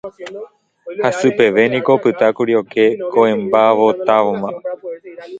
Hasy peve niko opytákuri oke koʼẽmbotávoma.